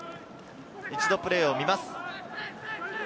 一度プレーを見ます。